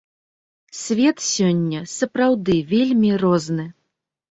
Свет сёння сапраўды вельмі розны.